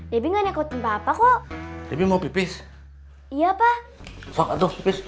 lebih enggak ngikutin bapak kok lebih mau pipis iya pak sobat